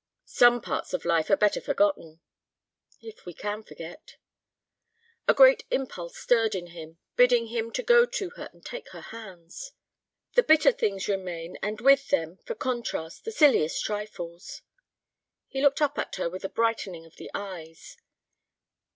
"Some parts of life are better forgotten." "If we can forget." A great impulse stirred in him, bidding him go to her and take her hands. "The bitter things remain, and with them—for contrast—the silliest trifles." He looked up at her with a brightening of the eyes.